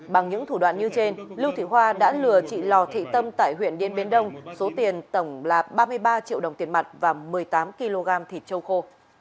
bằng những thủ đoạn như trên lưu thị hoa đã lừa chị lò thị tâm tại huyện điện biên đông số tiền tổng là ba mươi ba triệu đồng tiền mặt và một mươi tám kg thịt châu khô